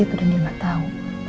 itu dia nggak tahu